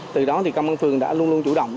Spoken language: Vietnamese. từ đó thì công an phường đã luôn luôn chủ động